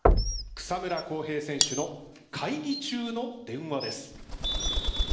草村航平選手の会議中の電話です。